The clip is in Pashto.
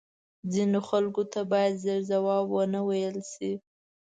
ځینو خلکو ته باید زر جواب وه نه ویل شې